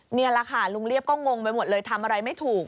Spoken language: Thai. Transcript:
นี่แหละค่ะลุงเรียบก็งงไปหมดเลยทำอะไรไม่ถูก